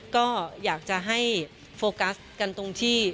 ก็อยากจะให้โฟกัสกันตรงที่